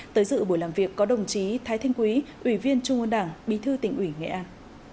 tới dự buổi làm việc có đồng chí thái thanh quý ủy viên trung ương đảng bí thư tỉnh ủy nghệ an